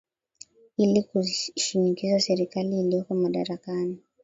ili kuishinikiza serikali ilioko madarakani